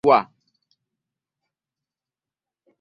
Buli omu ajja kukomekerera nga bwatekeddwa .